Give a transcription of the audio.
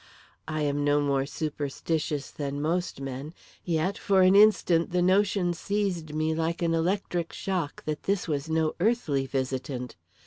I am no more superstitious than most men, yet, for an instant, the notion seized me like an electric shock, that this was no earthly visitant.